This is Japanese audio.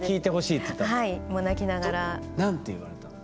何て言われたの？